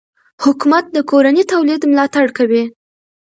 حکومت د کورني تولید ملاتړ کوي.